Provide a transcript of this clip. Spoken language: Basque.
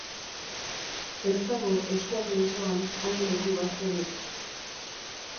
Ez dago eskualde osoan hain leku bazterrik.